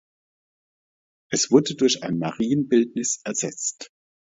Es wurde durch ein Marienbildnis ersetzt.